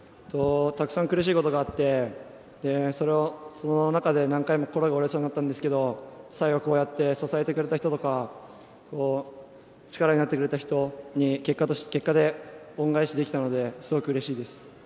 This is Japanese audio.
たくさん苦しいことがあってその中で何回も心が折れそうになったんですが最後こうやって支えてくれた人とか力になってくれた人に結果で恩返しできたのですごくうれしいです。